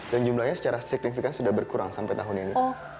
dan jumlahnya secara signifikan sudah berkurang sampai tahun ini